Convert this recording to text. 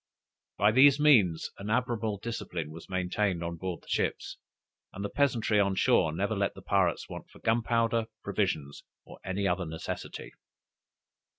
By these means an admirable discipline was maintained on board the ships, and the peasantry on shore never let the pirates want for gunpowder, provisions, or any other necessary.